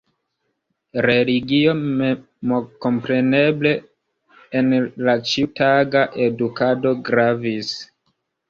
Religio memkompreneble en la ĉiutaga edukado gravis.